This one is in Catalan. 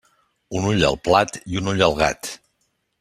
Un ull al plat i un ull al gat.